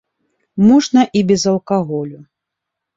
Можна і без алкаголю.